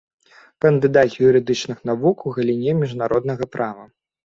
Кандыдат юрыдычных навук у галіне міжнароднага права.